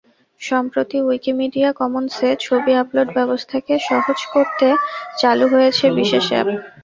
সম্প্রতি উইকিমিডিয়া কমন্সে ছবি আপলোড ব্যবস্থাকে সহজ করতে চালু হয়েছে বিশেষ অ্যাপ।